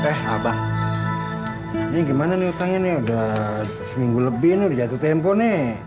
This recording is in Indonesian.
eh abang ini gimana nih utangnya nih udah seminggu lebih nih jatuh tempo nih